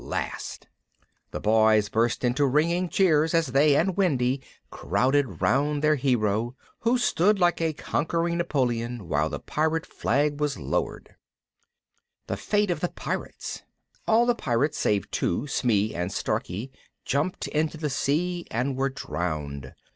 [Illustration: RIGHT INTO THE JAWS OF THE CROCODILE] The Boys burst into ringing cheers as they and Wendy crowded round their hero, who stood like a conquering Napoleon while the pirate flag was lowered. THE FATE OF THE PIRATES All the pirates save two, Smee and Starkey, jumped into the sea and were drowned.